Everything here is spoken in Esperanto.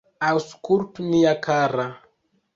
Aŭskultu, mia kara!